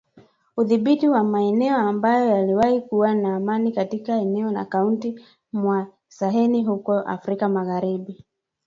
udhibiti wa maeneo ambayo yaliwahi kuwa na amani katika eneo la Katikati mwa Saheli huko Afrika magharibi